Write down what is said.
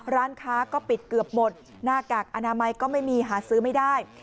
ร้านค้าก็ปิดเกือบหมดหน้ากากอนามัยก็ไม่มีหาซื้อไม่ได้